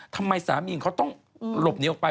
ทำไมสามีของเขาต้องหลบหนีออกไป